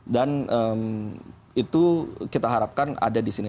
itu kita harapkan ada di sini